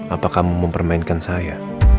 apa kamu mempermainkan saya